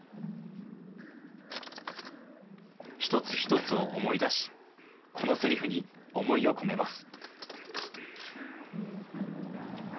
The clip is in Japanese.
一つ一つを思い出し、このセリフに思いを込めます。